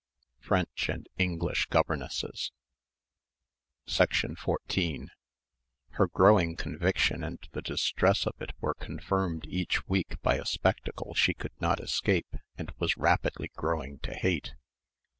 "French and English governesses." 14 Her growing conviction and the distress of it were confirmed each week by a spectacle she could not escape and was rapidly growing to hate.